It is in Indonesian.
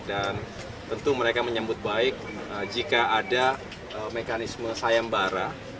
dan tentu mereka menyebut baik jika ada mekanisme saya embara